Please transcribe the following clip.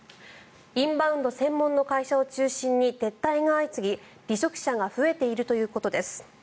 インバウンド専門の会社を中心に撤退が相次ぎ離職者が増えているということです。